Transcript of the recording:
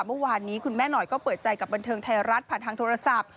เมื่อวานนี้คุณแม่หน่อยก็เปิดใจกับบันเทิงไทยรัฐผ่านทางโทรศัพท์